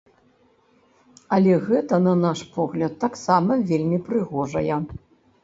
Але гэта, на наш погляд, таксама вельмі прыгожая.